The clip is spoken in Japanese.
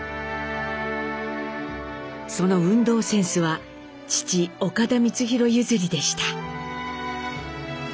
その運動センスは父岡田光宏譲りでした。